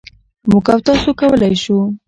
مـوږ او تاسـو کـولی شـو